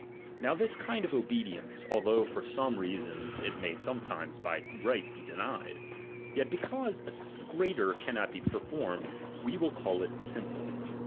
Now this kind of obedience, although for some reasons it may sometimes by right be denied, yet because a greater cannot be performed, we will call it simple.